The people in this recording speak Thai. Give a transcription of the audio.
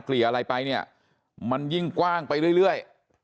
เกลี่ยอะไรไปเนี่ยมันยิ่งกว้างไปเรื่อย